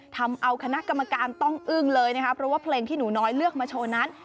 ทำเอาคณะกรรมการต้องอึ้งเลยนะคะเพราะว่าเพลงที่หนูน้อยเลือกมาโชว์นั้น